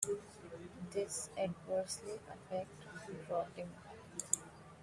This adversely affected draughting.